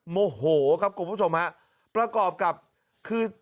โมโหครับคลุมผู้ชมประกอบขึ้นคือ